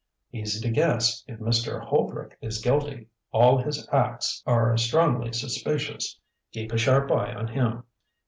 Easy to guess, if Mr. Holbrook is guilty. All his acts are strongly suspicious. Keep a sharp eye on him.